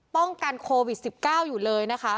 ป้องกันโควิด๑๙อยู่เลยนะคะ